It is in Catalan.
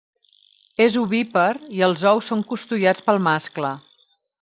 És ovípar i els ous són custodiats pel mascle.